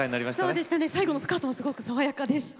そうでしたね最後のスカートもすごく爽やかでした。